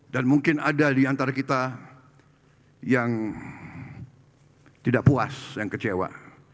dan mungkin ada di antara kita yang tidak puas yang kecewa